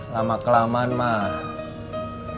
lama kelamaan mang